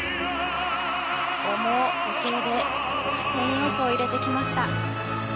ここも受けで加点要素を入れてきました。